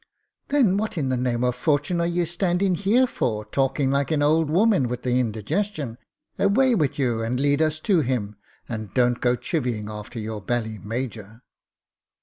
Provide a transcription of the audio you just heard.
"Then, what in the name of fortune are ye stand ing here for talking like an ould woman with the indigestion? Away with you, and lead us to him, and don't go chivying after your bally major."